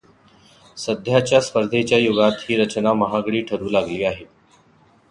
सध्याच्या स्पर्धेच्या युगात ही रचना महागडी ठरू लागली आहे.